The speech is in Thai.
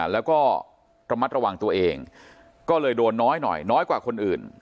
แล้วก็ระมัดระวังตัวเองก็เลยโดนน้อยหน่อยน้อยกว่าคนอื่น